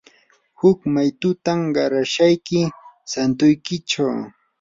huk maytutam qarashayki santuykichaw.